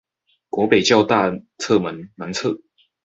國北教大側門南側